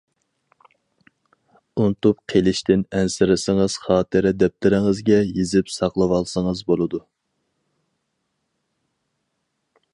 ئۇنتۇپ قېلىشتىن ئەنسىرىسىڭىز خاتىرە دەپتىرىڭىزگە يېزىپ ساقلىۋالسىڭىز بولىدۇ.